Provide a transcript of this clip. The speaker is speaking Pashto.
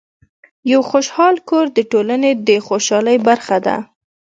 یو خوشحال کور د ټولنې د خوشحالۍ برخه ده.